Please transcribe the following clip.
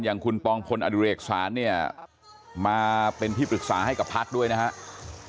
อย่างคุณปองพลอเอกสารมาเป็นพี่ปรึกษาให้กับพลักษณ์ด้วยนะครับ